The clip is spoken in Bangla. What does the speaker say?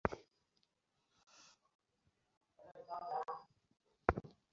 আমি বললুম, না অমূল্য, এখনো হয় নি।